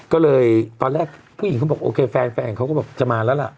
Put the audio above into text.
ก็เลยตอนแรกผู้หญิงเขาบอกโอเคแฟนเขาก็แบบจะมาแล้วล่ะ